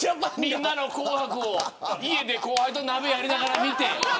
みんなの紅白を家で後輩と鍋やりながら見て。